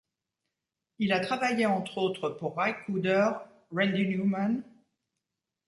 Il a travaillé entre autres pour Ry Cooder, Randy Newman...